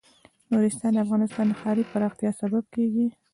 نورستان د افغانستان د ښاري پراختیا سبب کېږي.